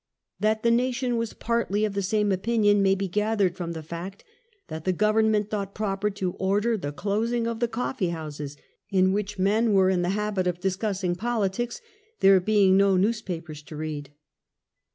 That the nation was partly of the same opinion may. be peeiing gathered from the fact that the government against Pm thought proper to order the closing of the ""*»^^^' "coffee houses'", in which men were in the habit of discussing politics, there being no newspapers to read.